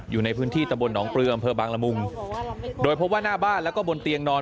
อยู่ในพื้นที่ตำบลหนองปลืออำเภอบางละมุงโดยพบว่าหน้าบ้านแล้วก็บนเตียงนอน